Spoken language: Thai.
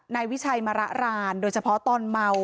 นายวิชัยมระรานโดยเฉพาะตอนเมา